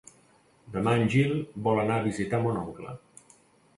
Demà en Gil vol anar a visitar mon oncle.